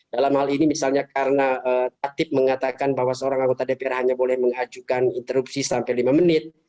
dalam hal ini misalnya karena tatip mengatakan bahwa seorang anggota dpr hanya boleh mengajukan interupsi sampai lima menit